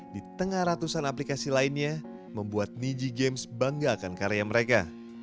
di tengah ratusan aplikasi lainnya membuat niji games bangga akan karya mereka